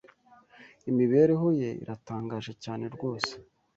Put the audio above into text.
"Imibereho ye iratangaje cyane rwose